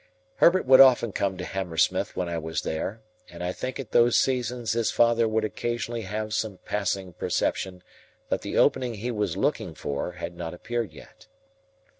Herbert would often come to Hammersmith when I was there, and I think at those seasons his father would occasionally have some passing perception that the opening he was looking for, had not appeared yet.